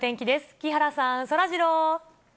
木原さん、そらジロー。